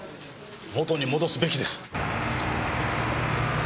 元に戻すべきです！